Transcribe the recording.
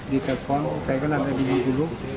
ditepon saya kan ada di dulu